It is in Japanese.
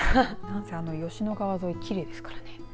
吉野川沿い、きれいですからね。